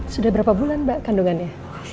sudah berapa bulan mbak kandungannya